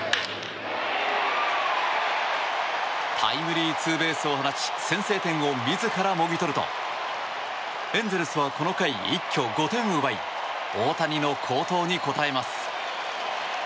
タイムリーツーベースを放ち先制点を自らもぎ取るとエンゼルスはこの回、一挙５点を奪い大谷の好投に応えます。